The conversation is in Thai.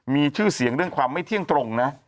มีชื่อเสียงเรื่องความไม่เที่ยงตรงนะ